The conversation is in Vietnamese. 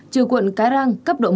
trừ quận cái răng cấp độ một